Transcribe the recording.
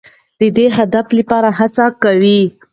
د دې هدف لپاره هڅه کوو.